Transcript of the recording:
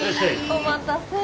お待たせ。